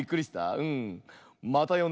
うん。